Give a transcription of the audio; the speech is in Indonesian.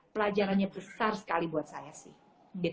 pelajarannya besar sekali buat saya sih